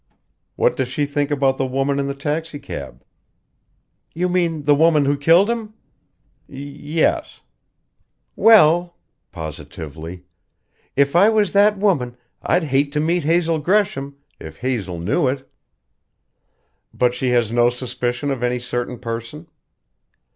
"What does she think about the woman in the taxicab?" "You mean the woman who killed him?" "Yes." "Well!" positively. "If I was that woman, I'd hate to meet Hazel Gresham if Hazel knew it!" "But she has no suspicion of any certain person?"